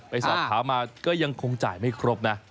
ไปสอบถามมาก็ยังคงจ่ายไม่ครบนะ